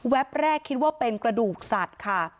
แรกคิดว่าเป็นกระดูกสัตว์ค่ะ